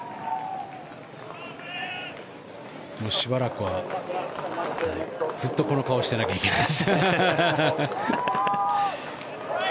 しばらくはずっとこの顔をしていなきゃいけない。